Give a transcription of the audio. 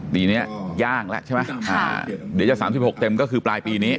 ปีนี้ย่างแล้วใช่ไหมเดี๋ยวจะ๓๖เต็มก็คือปลายปีนี้